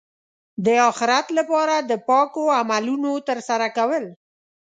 د اخرت لپاره د پاکو عملونو ترسره کول.